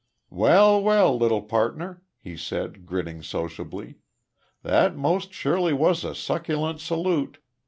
"Well, well, little partner," he said, grinning sociably, "that most surely was a succulent salute....